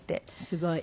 すごい。